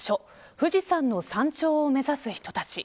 富士山の山頂を目指す人たち。